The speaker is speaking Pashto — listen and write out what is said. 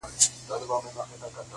• په ژوند یې ښځي نه وې لیدلي -